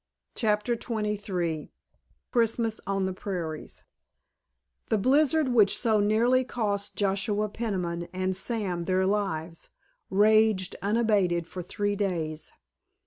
*CHAPTER XXIII* *CHRISTMAS ON THE PRAIRIES* The blizzard which so nearly cost Joshua Peniman and Sam their lives raged unabated for three days.